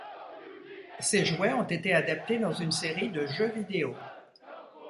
Ces jouets ont été adaptés dans une série de jeux vidéo.